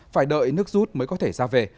phải đợi nước rút mới có thể ra về